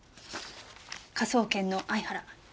科捜研の相原。